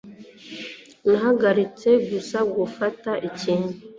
Nahagaritse gusa gufata ikintu.